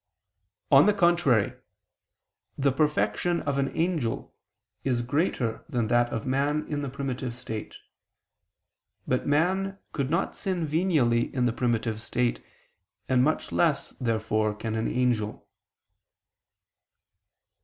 On the contrary, The perfection of an angel is greater than that of man in the primitive state. But man could not sin venially in the primitive state, and much less, therefore, can an angel.